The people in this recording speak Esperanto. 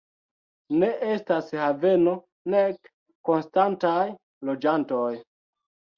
Ne estas haveno, nek konstantaj loĝantoj.